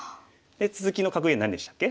続きの格言何でしたっけ？